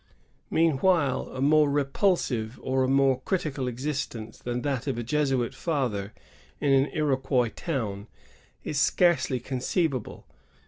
Meanwhile a more repulsive or a more criti cal existence than that of a Jesuit father in an Iroquois town is scarcely conceivable.